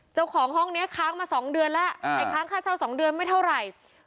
เจ้าของห้องนี้ค้างมา๒เดือนแล้วไอ้ค้างค่าเช่า๒เดือนไม่เท่าไหร่